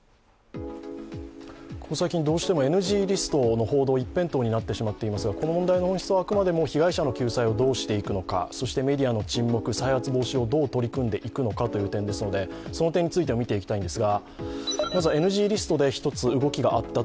ここ最近、どうしてもＮＧリストの報道一辺倒になってしまっていますが、この問題の本質はあくまでも被害者の救済をどうしていくのか、そしてメディアの沈黙などどうしていくのか、その点について見ていきます。